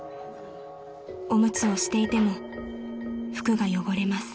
［おむつをしていても服が汚れます］